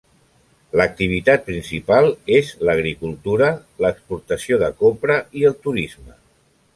L'activitat principal és l'agricultura, l'exportació de copra i el turisme.